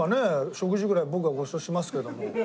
食事ぐらい僕がごちそうしますけども。